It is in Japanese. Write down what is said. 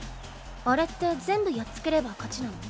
あれって全部やっつければ勝ちなの？